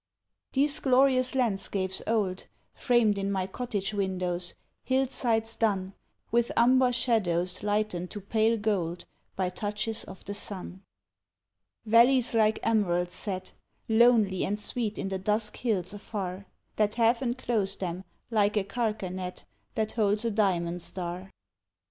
These glorious landscapes old, Framed in my cottage windows, hill sides dun, With umber shadows lightened to pale gold By touches of the sun, Valleys like emeralds set Lonely and sweet in the dusk hills afar, That half enclose them, like a carcanet That holds a diamond star.